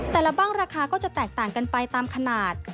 แต่ละบ้างราคาก็จะแตกต่างกันไปตามขนาด